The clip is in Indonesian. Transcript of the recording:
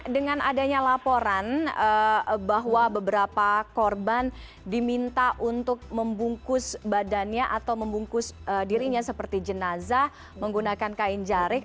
dengan adanya laporan bahwa beberapa korban diminta untuk membungkus badannya atau membungkus dirinya seperti jenazah menggunakan kain jarik